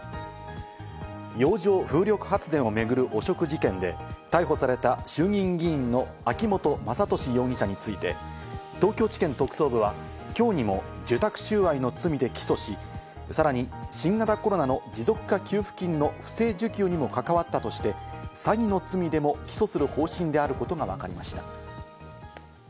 洋上風力発電を巡る汚職事件で、逮捕された衆議院議員の秋本真利容疑者について、東京地検特捜部はきょうにも受託収賄の罪で起訴し、さらに新型コロナの持続化給付金の不正受給にも関わったとして詐欺の罪でも起訴する方針であることがわかりました。